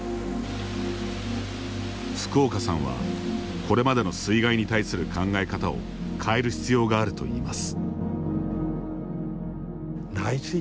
福岡さんはこれまでの水害に対する考え方を変える必要があるといいます。